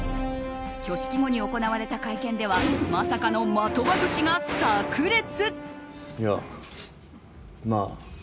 挙式後に行われた会見ではまさかの的場節が炸裂！